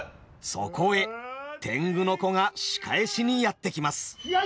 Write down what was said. そこへ天狗の子が仕返しにやって来ます。